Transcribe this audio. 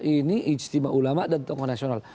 ini ijtima ulama dan tokoh nasional